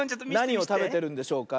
なにをたべてるんでしょうか？